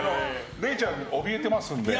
れいちゃんがおびえてますので。